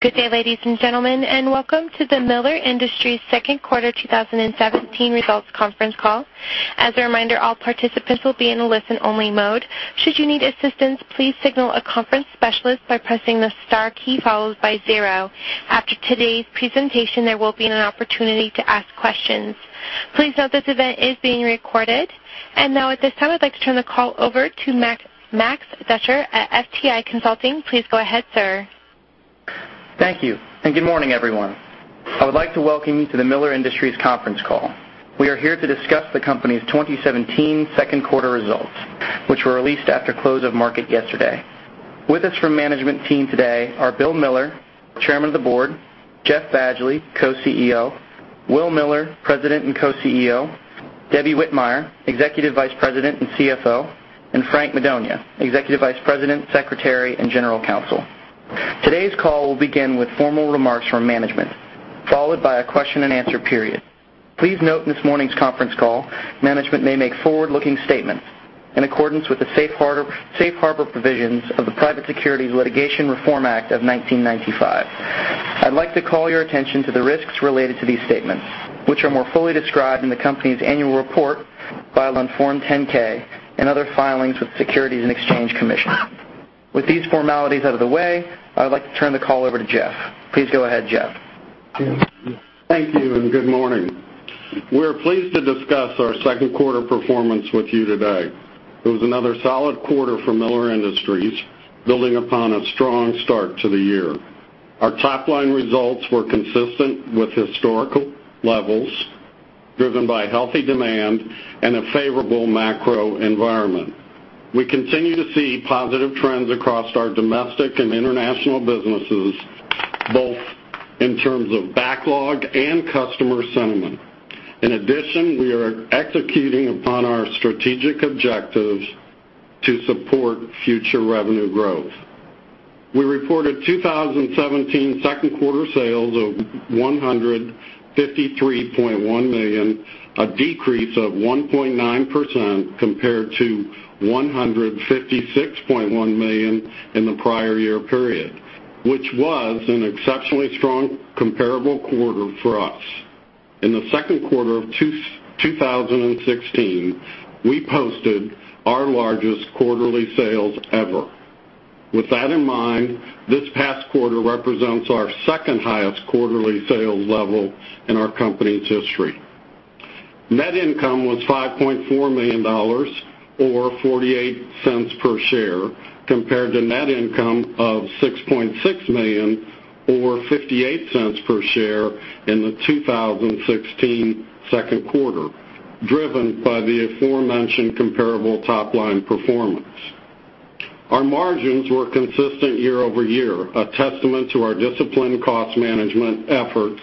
Good day, ladies and gentlemen, welcome to the Miller Industries second quarter 2017 results conference call. As a reminder, all participants will be in a listen-only mode. Should you need assistance, please signal a conference specialist by pressing the star key followed by zero. Please note this event is being recorded. Now at this time, I'd like to turn the call over to Max Dutcher at FTI Consulting. Please go ahead, sir. Thank you, good morning, everyone. I would like to welcome you to the Miller Industries conference call. We are here to discuss the company's 2017 second quarter results, which were released after close of market yesterday. With us from management team today are Bill Miller, Chairman of the Board, Jeff Badgley, Co-CEO, Will Miller, President and Co-CEO, Debbie Whitmire, Executive Vice President and CFO, Frank Madonia, Executive Vice President, Secretary, and General Counsel. Today's call will begin with formal remarks from management, followed by a question and answer period. Please note, in this morning's conference call, management may make forward-looking statements in accordance with the safe harbor provisions of the Private Securities Litigation Reform Act of 1995. I'd like to call your attention to the risks related to these statements, which are more fully described in the company's annual report filed on Form 10-K and other filings with the Securities and Exchange Commission. With these formalities out of the way, I would like to turn the call over to Jeff. Please go ahead, Jeff. Thank you, good morning. We're pleased to discuss our second quarter performance with you today. It was another solid quarter for Miller Industries, building upon a strong start to the year. Our top-line results were consistent with historical levels, driven by healthy demand and a favorable macro environment. We continue to see positive trends across our domestic and international businesses, both in terms of backlog and customer sentiment. In addition, we are executing upon our strategic objectives to support future revenue growth. We reported 2017 second quarter sales of $153.1 million, a decrease of 1.9% compared to $156.1 million in the prior year period, which was an exceptionally strong comparable quarter for us. In the second quarter of 2016, we posted our largest quarterly sales ever. With that in mind, this past quarter represents our second highest quarterly sales level in our company's history. Net income was $5.4 million, or $0.48 per share, compared to net income of $6.6 million or $0.58 per share in the 2016 second quarter, driven by the aforementioned comparable top-line performance. Our margins were consistent year-over-year, a testament to our disciplined cost management efforts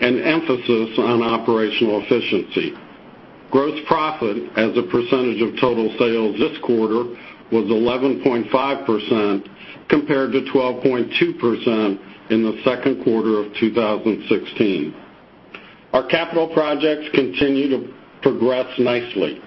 and emphasis on operational efficiency. Gross profit as a percentage of total sales this quarter was 11.5% compared to 12.2% in the second quarter of 2016. Our capital projects continue to progress nicely.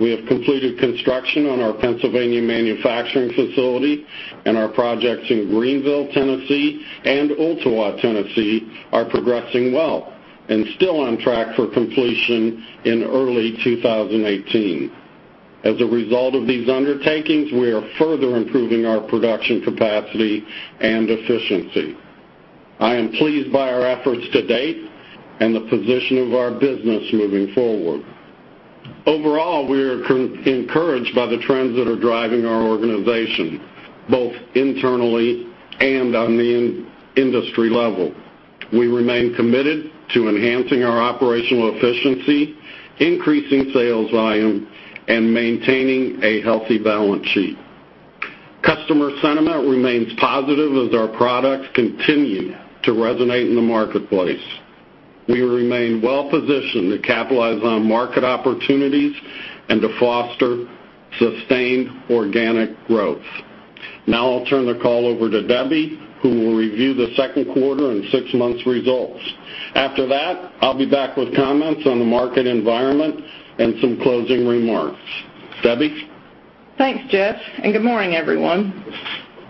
We have completed construction on our Pennsylvania manufacturing facility, and our projects in Greenville, Tennessee and Ooltewah, Tennessee are progressing well and still on track for completion in early 2018. As a result of these undertakings, we are further improving our production capacity and efficiency. I am pleased by our efforts to date and the position of our business moving forward. Overall, we are encouraged by the trends that are driving our organization, both internally and on the industry level. We remain committed to enhancing our operational efficiency, increasing sales volume, and maintaining a healthy balance sheet. Customer sentiment remains positive as our products continue to resonate in the marketplace. We remain well-positioned to capitalize on market opportunities and to foster sustained organic growth. I'll turn the call over to Debbie, who will review the second quarter and six months results. After that, I'll be back with comments on the market environment and some closing remarks. Debbie? Thanks, Jeff, and good morning, everyone.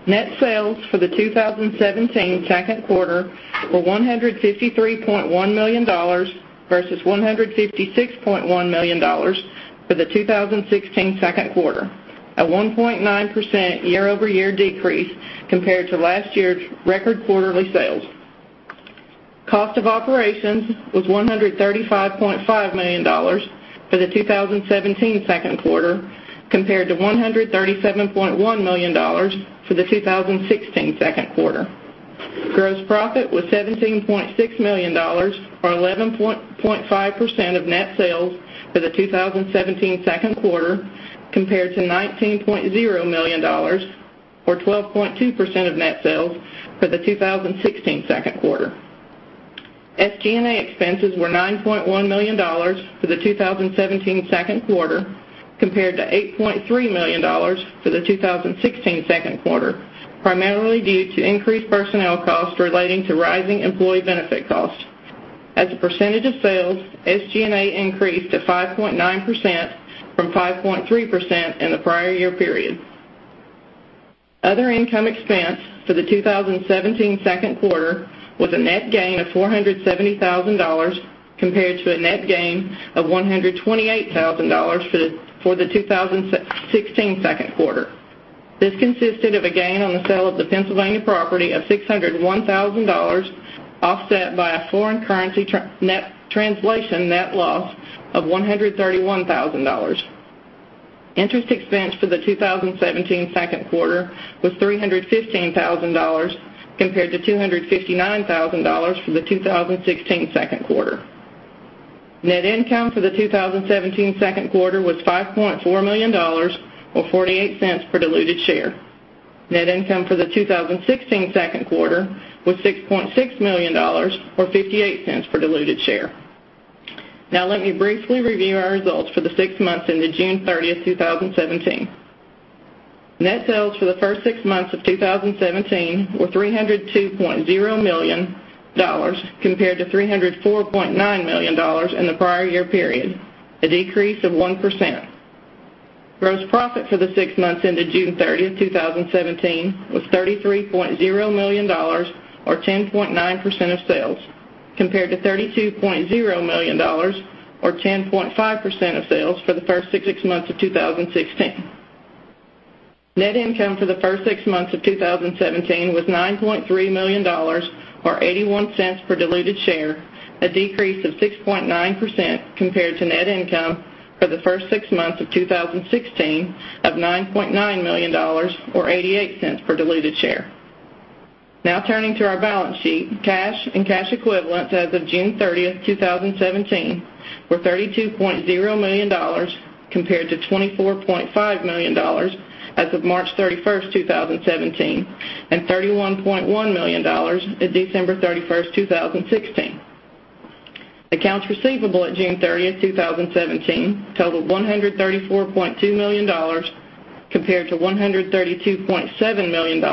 Net sales for the 2017 second quarter were $153.1 million versus $156.1 million for the 2016 second quarter, a 1.9% year-over-year decrease compared to last year's record quarterly sales. Cost of operations was $135.5 million for the 2017 second quarter compared to $137.1 million for the 2016 second quarter. Gross profit was $17.6 million, or 11.5% of net sales for the 2017 second quarter compared to $19.0 million, or 12.2% of net sales for the 2016 second quarter. SG&A expenses were $9.1 million for the 2017 second quarter compared to $8.3 million for the 2016 second quarter, primarily due to increased personnel costs relating to rising employee benefit costs. As a percentage of sales, SG&A increased to 5.9% from 5.3% in the prior year period. Other income expense for the 2017 second quarter was a net gain of $470,000 compared to a net gain of $128,000 for the 2016 second quarter. This consisted of a gain on the sale of the Pennsylvania property of $601,000, offset by a foreign currency translation net loss of $131,000. Interest expense for the 2017 second quarter was $315,000 compared to $259,000 for the 2016 second quarter. Net income for the 2017 second quarter was $5.4 million, or $0.48 per diluted share. Net income for the 2016 second quarter was $6.6 million or $0.58 per diluted share. Let me briefly review our results for the six months ended June 30, 2017. Net sales for the first six months of 2017 were $302.0 million compared to $304.9 million in the prior year period, a decrease of 1%. Gross profit for the six months ended June 30, 2017 was $33.0 million or 10.9% of sales, compared to $32.0 million or 10.5% of sales for the first six months of 2016. Net income for the first six months of 2017 was $9.3 million or $0.81 per diluted share, a decrease of 6.9% compared to net income for the first six months of 2016 of $9.9 million or $0.88 per diluted share. Now turning to our balance sheet, cash and cash equivalents as of June 30, 2017, were $32.0 million compared to $24.5 million as of March 31, 2017, and $31.1 million at December 31, 2016. Accounts receivable at June 30, 2017, totaled $134.2 million compared to $132.7 million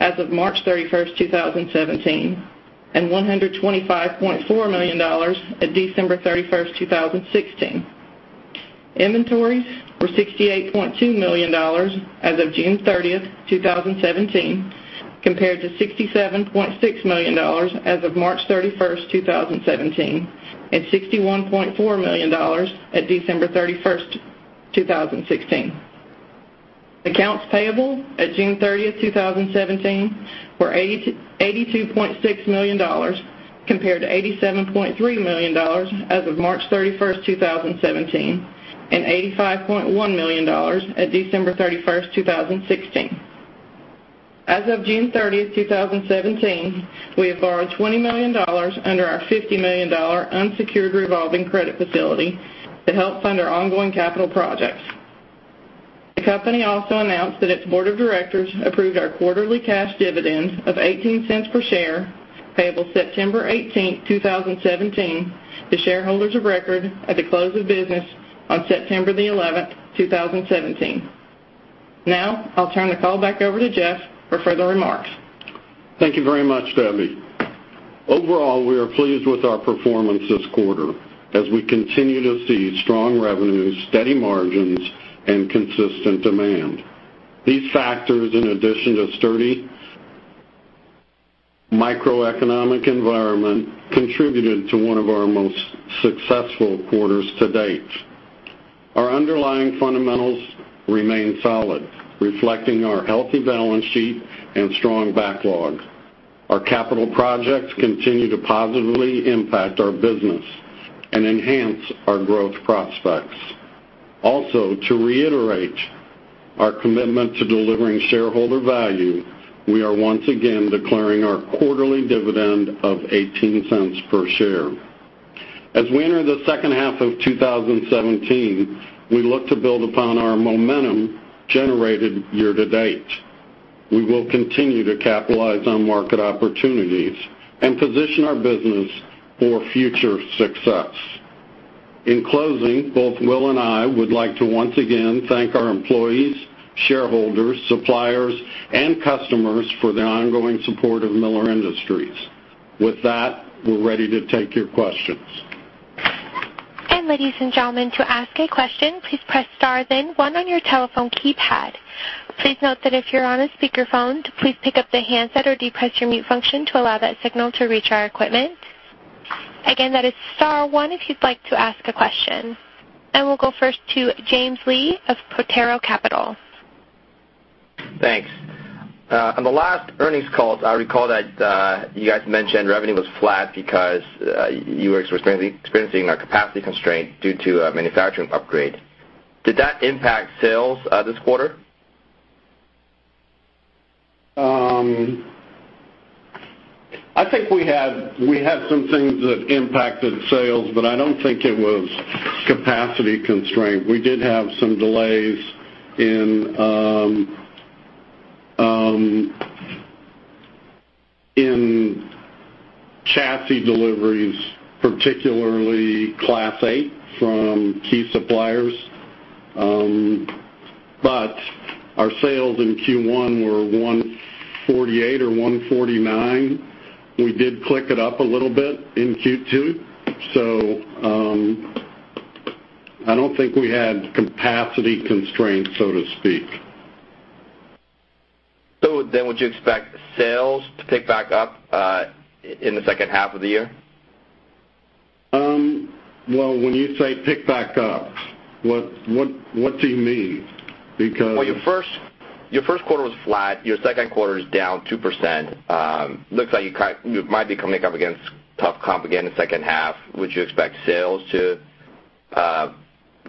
as of March 31, 2017, and $125.4 million at December 31, 2016. Inventories were $68.2 million as of June 30, 2017, compared to $67.6 million as of March 31, 2017, and $61.4 million at December 31, 2016. Accounts payable at June 30, 2017, were $82.6 million compared to $87.3 million as of March 31, 2017, and $85.1 million at December 31, 2016. As of June 30, 2017, we have borrowed $20 million under our $50 million unsecured revolving credit facility to help fund our ongoing capital projects. The company also announced that its board of directors approved our quarterly cash dividend of $0.18 per share, payable September 18, 2017, to shareholders of record at the close of business on September the 11th, 2017. Now, I'll turn the call back over to Jeff for further remarks. Thank you very much, Debbie. Overall, we are pleased with our performance this quarter as we continue to see strong revenues, steady margins, and consistent demand. These factors, in addition to sturdy macroeconomic environment, contributed to one of our most successful quarters to date. Our underlying fundamentals remain solid, reflecting our healthy balance sheet and strong backlog. Our capital projects continue to positively impact our business and enhance our growth prospects. Also, to reiterate our commitment to delivering shareholder value, we are once again declaring our quarterly dividend of $0.18 per share. As we enter the second half of 2017, we look to build upon our momentum generated year to date. We will continue to capitalize on market opportunities and position our business for future success. In closing, both Will and I would like to once again thank our employees, shareholders, suppliers, and customers for their ongoing support of Miller Industries. With that, we're ready to take your questions. Ladies and gentlemen, to ask a question, please press star then one on your telephone keypad. Please note that if you're on a speakerphone, please pick up the handset or depress your mute function to allow that signal to reach our equipment. Again, that is star one if you'd like to ask a question. We'll go first to James Lee of Potrero Capital. Thanks. On the last earnings call, I recall that you guys mentioned revenue was flat because you were experiencing a capacity constraint due to a manufacturing upgrade. Did that impact sales this quarter? I think we had some things that impacted sales, but I don't think it was capacity constraint. We did have some delays in chassis deliveries, particularly Class 8 from key suppliers. Our sales in Q1 were $148 or $149. We did click it up a little bit in Q2. I don't think we had capacity constraints, so to speak. Would you expect sales to pick back up in the second half of the year? Well, when you say pick back up, what do you mean? Because- Well, your first quarter was flat, your second quarter is down 2%. Looks like you might be coming up against tough comp again in the second half. Would you expect sales to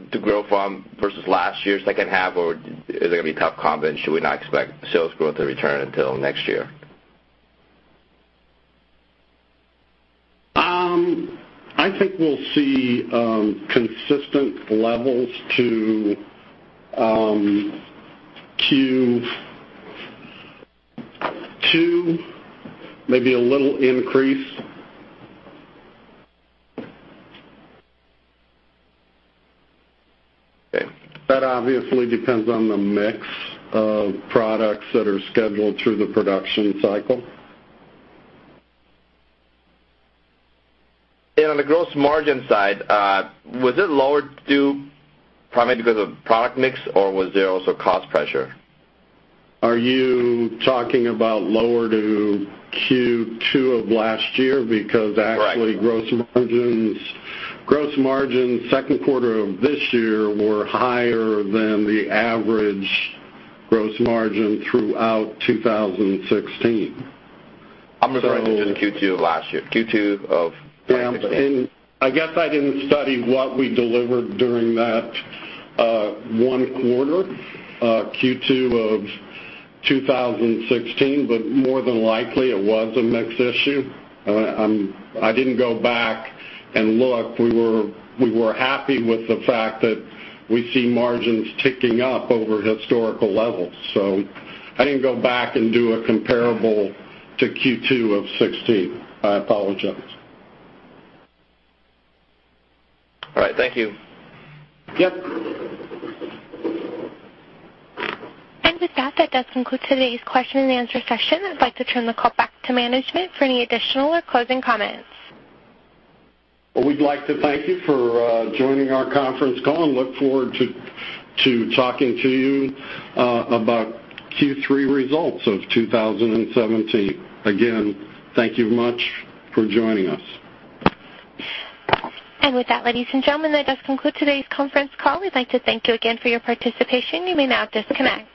grow from versus last year's second half, or is it going to be tough comp, and should we not expect sales growth to return until next year? I think we'll see consistent levels to Q2, maybe a little increase. Okay. That obviously depends on the mix of products that are scheduled through the production cycle. On the gross margin side, was it lower due primarily because of product mix, or was there also cost pressure? Are you talking about lower to Q2 of last year? Right Gross margins second quarter of this year were higher than the average gross margin throughout 2016. I'm referring to just Q2 of last year, Q2 of 2016. Yeah. I guess I didn't study what we delivered during that one quarter, Q2 of 2016, more than likely it was a mix issue. I didn't go back and look. We were happy with the fact that we see margins ticking up over historical levels, so I didn't go back and do a comparable to Q2 of 2016. I apologize. All right. Thank you. Yep. With that does conclude today's question and answer session. I'd like to turn the call back to management for any additional or closing comments. Well, we'd like to thank you for joining our conference call and look forward to talking to you about Q3 results of 2017. Again, thank you much for joining us. With that, ladies and gentlemen, that does conclude today's conference call. We'd like to thank you again for your participation. You may now disconnect.